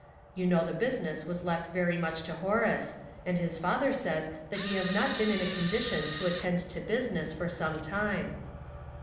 You know the business was left very much to Horace, and his father says that he has not been in a condition to attend to business for some time."